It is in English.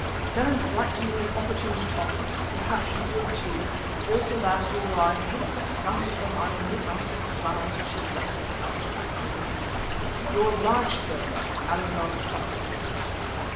Tell him to write me as opportunity offers, as perhaps you will too; also that, although I hate the sight of them, I will look after the flowers which he has left at the house at Twickenham. "Your obliged servant, ALEXANDER SOMERS."